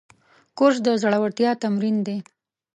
کورس د زړورتیا تمرین دی.